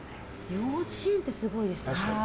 幼稚園ってすごいですね。